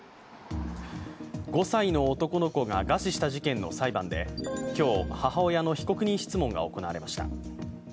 ５歳の男の子が餓死した事件の裁判で今日、母親の被告人質問が行われました。